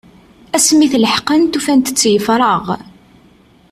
Asmi i t-leḥqent ufant yeffreɣ.